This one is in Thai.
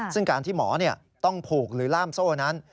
ซึ่งการที่หมอต้องผูกหรือล่ามโซ่นั้น